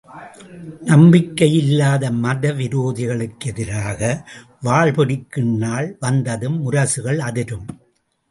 நம்பிக்கையில்லாத, மதவிரோதிகளுக்கெதிராக வாள்பிடிக்கும் நாள் வந்ததும் முரசுகள் அதிரும்!